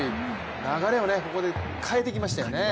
流れをここで変えてきましたよね。